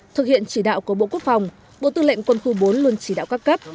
thực hiện chỉ đạo của bộ quốc phòng bộ tư lệnh quân khu bốn luôn chỉ đạo các cấp